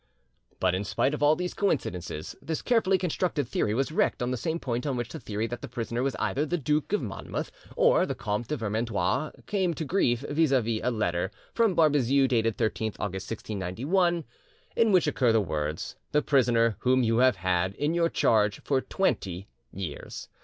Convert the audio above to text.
But in spite of all these coincidences, this carefully constructed theory was wrecked on the same point on which the theory that the prisoner was either the Duke of Monmouth or the Comte de Vermandois came to grief, viz. a letter from Barbezieux, dated 13th August 1691, in which occur the words, "THE PRISONER WHOM YOU HAVE HAD IN CHARGE FOR TWENTY YEARS."